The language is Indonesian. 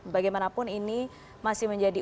bagaimanapun ini masih menjadi